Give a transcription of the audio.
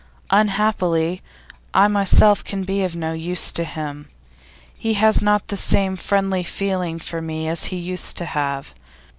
'Unhappily, I myself can be of no use to him; he has not the same friendly feeling for me as he used to have.